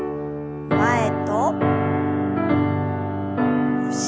前と後ろへ。